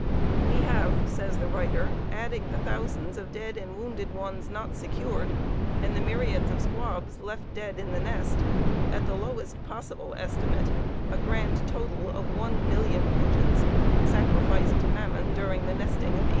We have," says the writer, "adding the thousands of dead and wounded ones not secured, and the myriads of squabs left dead in the nest, at the lowest possible estimate, a grand total of one billion pigeons sacrificed to Mammon during the nesting of 1878."